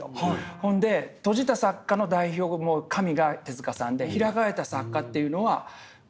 ほんで「閉じた」作家の代表神が手さんで「開かれた」作家というのは石森。